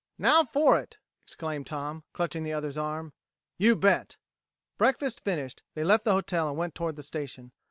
"Now for it!" exclaimed Tom, clutching the other's arm. "You bet!" Breakfast finished, they left the hotel and went toward the station.